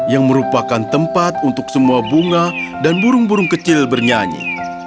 yang merupakan tempat untuk semua bunga dan burung burung kecil bernyanyi